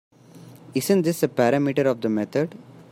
Isn’t this a parameter of the method?